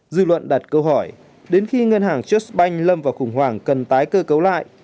dư luận đặt câu hỏi đến khi ngân hàng justbank lâm vào khủng hoảng cần tái cơ cấu lại